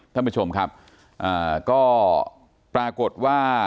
ท่านผู้ชมครับอ่าก็ปรากฏว่า